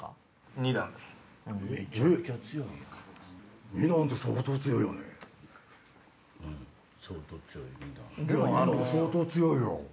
二段相当強いよ。